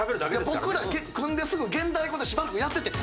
僕ら組んですぐ現代語でしばらくやってて。